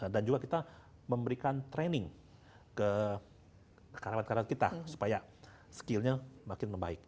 dan juga kita memberikan training ke karyawan karyawan kita supaya skillnya makin membaik